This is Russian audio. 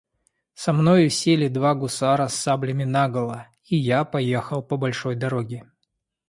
Со мною сели два гусара с саблями наголо, и я поехал по большой дороге.